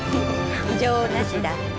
異常なしだって。